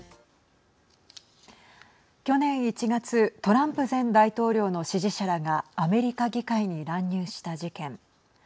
去年１月トランプ前大統領の支持者らがアメリカ議会に乱入した事件。